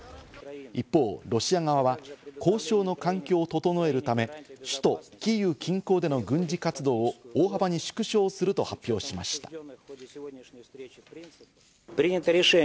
一方、ロシア側は交渉の環境を整えるため、首都キーウ近郊での軍事活動を大幅に縮小すると発表しました。